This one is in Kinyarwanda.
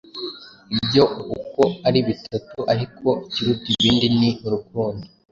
ibyo uko ari bitatu, ariko ikiruta ibindi ni urukundo.”